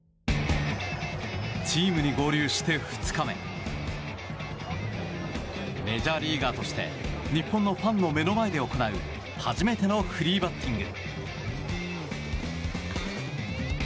チームに合流して２日目メジャーリーガーとして日本のファンの目の前で行う初めてのフリーバッティング。